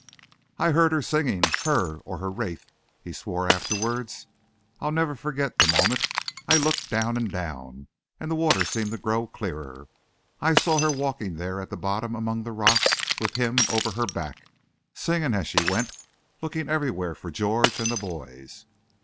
"I heard her singing, her or her wraith," he swore afterwards. "I'll never forget the moment I looked down and down, and the water seemed to grow clearer, and I saw her walking there at the bottom among the rocks, with him over her back, singing as she went, looking everywhere for George and the boys!"